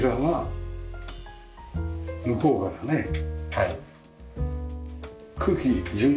はい。